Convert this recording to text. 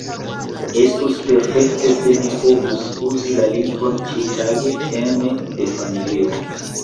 Estus perfekte se mi povus uzi la lingvon ĉiutage ene de familio.